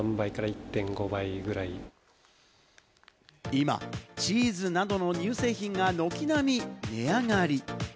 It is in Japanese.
今、チーズなどの乳製品が軒並み値上がり。